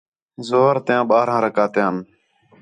ظُہر تیاں ٻارھاں رکعتیان